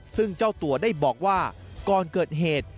ซึ่งเจ้าตัวได้บอกว่าก่อนเกิดเหตุ